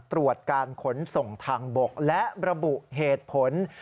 ตรวจการขนส่งทางบกและระบุเหตุผล